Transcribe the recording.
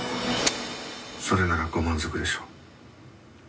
「それならご満足でしょう」